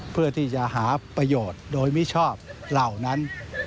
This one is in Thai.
เพื่อที่จะหาประโยชน์โดยมิชอบเหล่านั้น